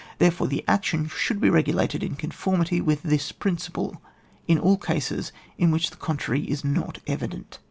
Therefore, the action should be regulated in conformity with this prin ciple, in all cases in which the contrary is not evident.